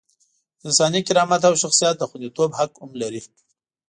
د انساني کرامت او شخصیت د خونديتوب حق هم لري.